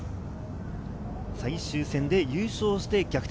最終戦で優勝して逆転